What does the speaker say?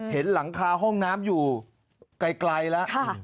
เห็นหลังคาห้องน้ำอยู่ไกลแล้ว